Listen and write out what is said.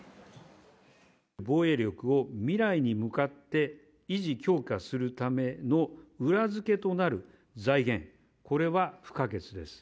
防衛力を未来に向かって維持、強化するための裏付けとなる財源、これは不可欠です。